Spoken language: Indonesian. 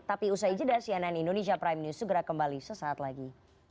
tapi usai jeda cnn indonesia prime news segera kembali sesaat lagi